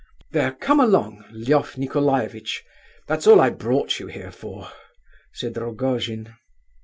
"There, come along, Lef Nicolaievitch; that's all I brought you here for," said Rogojin.